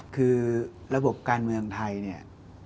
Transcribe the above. คือระบบการเมืองไทย